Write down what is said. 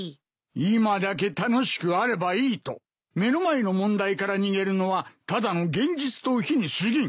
今だけ楽しくあればいいと目の前の問題から逃げるのはただの現実逃避にすぎん。